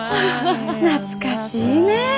懐かしいね。